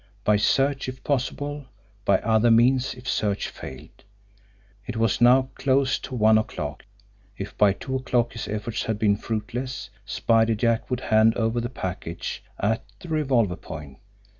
by search if possible, by other means if search failed. It was now close to one o'clock. If by two o'clock his efforts had been fruitless, Spider Jack would hand over the package at the revolver point!